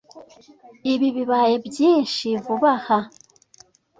Ibi bibaye byinshi vuba aha.